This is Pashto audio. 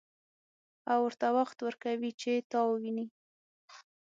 او ورته وخت ورکوي چې تا وويني.